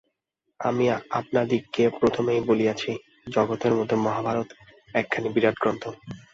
আমি আপনাদিগকে প্রথমেই বলিয়াছি, জগতের মধ্যে মহাভারত একখানি বিরাট গ্রন্থ।